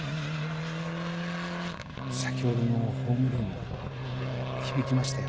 先ほどのホームルーム響きましたよ